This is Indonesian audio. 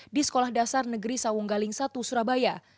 di sekolah dasar negeri sawung galing satu surabaya